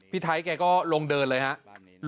พี่ไทยแกก็ลงเดินเลยฮะ